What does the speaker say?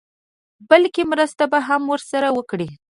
بلکې مرسته به هم ورسره وکړي.